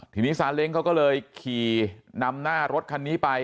ทีนี้ซาเล้งเขาก็เลยขี่นำหน้ารถคันนี้ไป